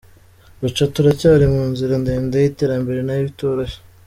Gusa turacyari mu nzira ndende y’ iterambere nayo itoroshye.